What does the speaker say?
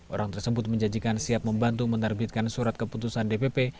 orang tersebut menjanjikan siap membantu menerbitkan surat keputusan dpp